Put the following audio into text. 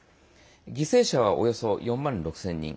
犠牲者は、およそ４万６０００人。